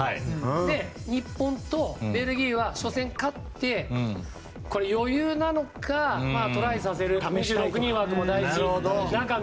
で、日本とベルギーは初戦に勝ってこれ、余裕なのかトライさせるためなのか。